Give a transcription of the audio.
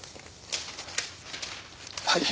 はい。